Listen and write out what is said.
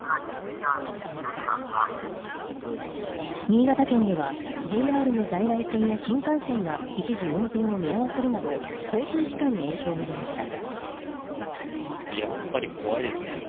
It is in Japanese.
新潟県ではＪＲの在来線や新幹線が一時運転を見合わせるなど交通機関に影響が出ました